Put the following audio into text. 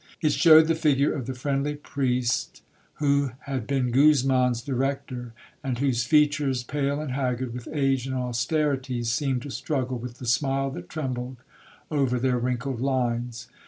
It showed the figure of the friendly priest who had been Guzman's director, and whose features, pale and haggard with age and austerities, seemed to struggle with the smile that trembled over their wrinkled lines.